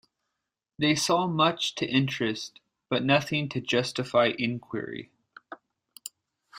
They saw much to interest, but nothing to justify inquiry.